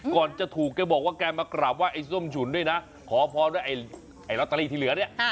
ก่อนจะถูกแกบอกว่าแกมากราบไห้ไอ้ส้มฉุนด้วยนะขอพรด้วยไอ้ลอตเตอรี่ที่เหลือเนี่ย